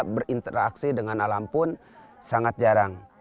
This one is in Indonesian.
berinteraksi dengan alam pun sangat jarang